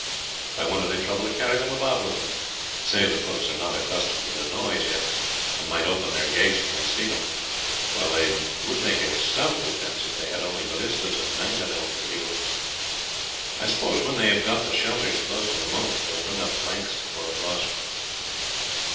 I wonder they trouble to carry them about with them, save that folks are not accustomed to their noise yet, and might open their gates when they see them, while they would make a stout defence if they had only ballistas and mangonels to deal with. I suppose when they have got the shelters close to the moat they will bring up planks to throw across."